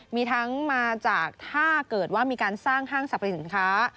มีทั้งมาจากถ้าเกิดว่ามีการสร้างห้างสรรพสินค้า